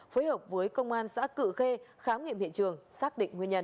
phối hợp với công an xã cự khê khám nghiệm hiện trường xác định nguyên nhân